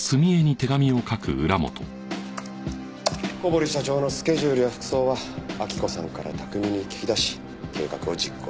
小堀社長のスケジュールや服装は明子さんから巧みに聞き出し計画を実行に移した。